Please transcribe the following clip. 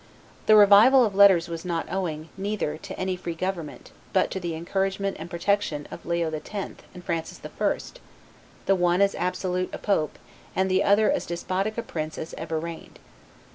The revival of letters was not owing, neither, to any free government, but to the encouragement and protection of Leo X. and Francis I; the one as absolute a pope, and the other as despotic a prince, as ever reigned.